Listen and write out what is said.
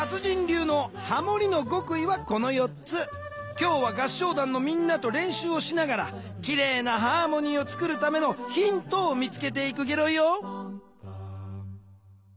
今日は合唱団のみんなとれんしゅうをしながらきれいなハーモニーを作るためのヒントを見つけていくゲロよ。